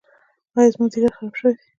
ایا زما ځیګر خراب شوی دی؟